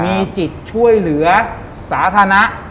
มีจิตช่วยเหลือสาธารณะ